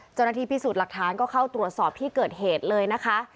เจ้าหน้าที่พิสูจน์หลักฐานก็เข้าตรวจสอบที่เกิดเหตุเลยนะคะ